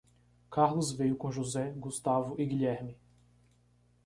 Carlos veio com José, Gustavo e Guilherme.